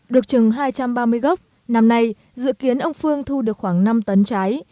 được chừng hai trăm ba mươi gốc năm nay dự kiến ông phương thu được khoảng năm tấn trái